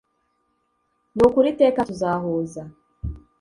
Nukuri iteka tuzahuza